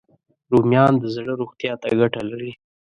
رومیان د زړه روغتیا ته ګټه لري